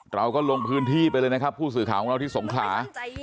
เราก็ลงพื้นที่ไปเลยนะครับผู้สื่อข่าวของเราที่สงขลา